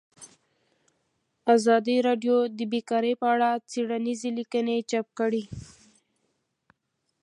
ازادي راډیو د بیکاري په اړه څېړنیزې لیکنې چاپ کړي.